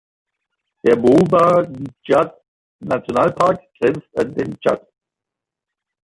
Der Bouba-Ndjida-Nationalpark grenzt an den Tschad.